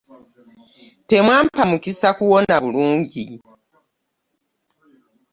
Temwampa mukisa kuwona bulungi.